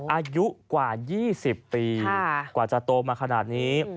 อายุกว่า๒๐ปีกว่าจะโตมาขนาดนี้